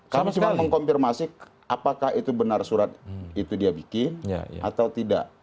kami cuma mengkonfirmasi apakah itu benar surat itu dia bikin atau tidak